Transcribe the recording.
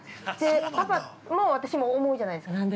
パパも私も思うじゃないですか。